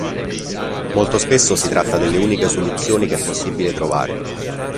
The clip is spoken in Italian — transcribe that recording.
Molto spesso si tratta delle uniche soluzioni che è possibile trovare.